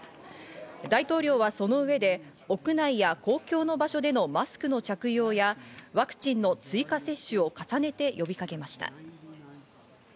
大統領はその上で屋内や公共の場所でのマスクの着用やワクチンの追加接種を重ねて呼びかけました。